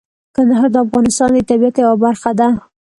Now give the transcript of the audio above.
کندهار د افغانستان د طبیعت یوه برخه ده.